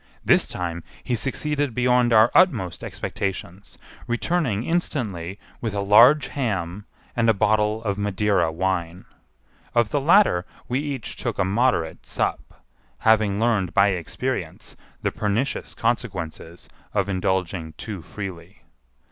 This time he succeeded beyond our utmost expectations, returning instantly with a large ham and a bottle of Madeira wine. Of the latter we each took a moderate sup, having learned by experience the pernicious consequences of indulging too freely.